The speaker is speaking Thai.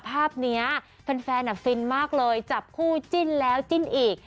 ภาพนี้แฟนฟินมากเลยจับคู่จิ้นแล้วจิ้นอีก